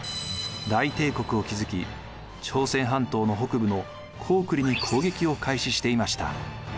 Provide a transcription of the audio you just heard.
大帝国を築き朝鮮半島の北部の高句麗に攻撃を開始していました。